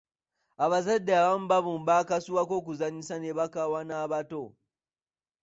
Abazadde baabumba akasuwa akatono ak'okuzanyisa ne bakawa Natabo.